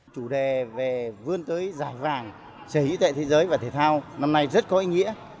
chủ đề về vươn tới giải vàng sở hữu tuệ thế giới và thể thao năm nay rất có ý nghĩa